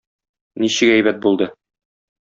Ничек әйбәт булды!